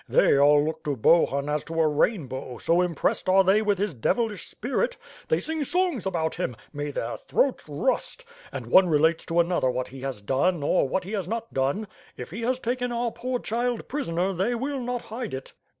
They all look to Bohun as to a rainbow, so impressed are th^ey with his devillish spirit. They sing songs about him — ^may their throats rust— and one relates to another what he has done^ or what he has not done. If he has taken our poor child prisoner they will not hide it.